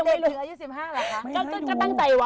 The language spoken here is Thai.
วันนี้แต่เด็กอยู่อายุ๑๕แล้วคะ